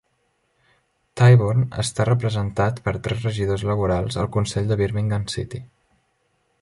Tyburn està representat per tres regidors laborals al Consell de Birmingham City.